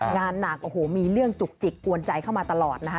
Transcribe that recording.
งานหนักโอ้โหมีเรื่องจุกจิกกวนใจเข้ามาตลอดนะคะ